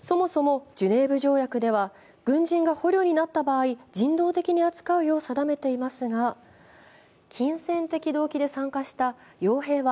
そもそもジュネーブ条約では軍人が捕虜になった場合、人道的に扱うよう定めていますが、金銭的動機で参加したよう兵は